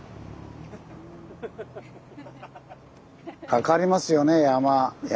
かかりますよね山。